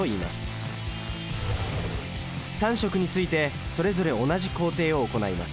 ３色についてそれぞれ同じ工程を行います。